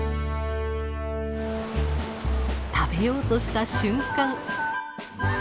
食べようとした瞬間。